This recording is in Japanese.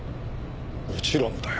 もちろんだよ。